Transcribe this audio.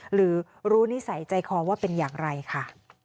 หรือรู้นิสัยใจคอว่าเป็นอย่างไรค่ะ